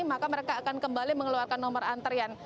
maka mereka akan kembali mengeluarkan nomor antrian